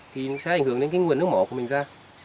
thì sẽ ảnh hưởng đến cái nguồn nước mỏ của mình ra